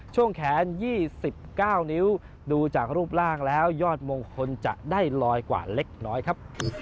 ช่วงแขน๒๙นิ้วดูจากรูปร่างแล้วยอดมงคลจะได้ลอยกว่าเล็กน้อยครับ